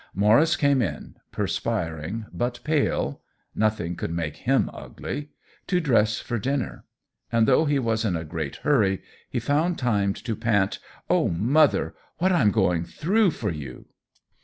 Maurice came in, perspiring but pale, (noth ing could make him ugly !) to dress for din ner ; and though he was in a great hurry, he found time to pant :" Oh, mother, what Fm going through for you